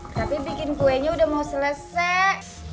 tapi bikin kuenya udah mau selesai